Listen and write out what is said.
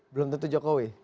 belum tentu jokowi